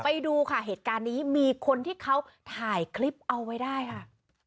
ไปดูค่ะเหตุการณ์นี้มีคนที่เขาถ่ายคลิปเอาไว้ได้ค่ะ